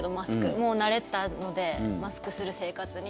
もう慣れたのでマスクする生活に。